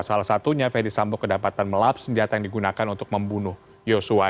salah satunya fedy sambo kedapatan melap senjata yang digunakan untuk membunuh yosua